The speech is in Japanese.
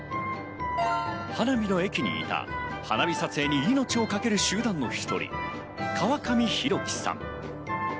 花火の駅にいた花火撮影に命を懸ける集団の１人、川上大貴さん。